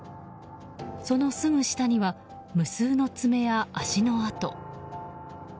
そのすぐ下には、無数の爪や足の跡。